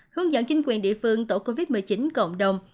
hướng dẫn chính quyền địa phương tổ covid một mươi chín cộng đồng